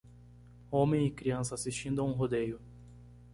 Homem e criança assistindo a um rodeio.